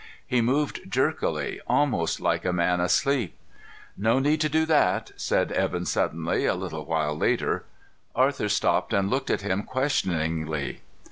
He moved jerkily, almost like a man asleep. "No need to do that," said Evan suddenly, a little while later. Arthur stopped and looked at him questioningly.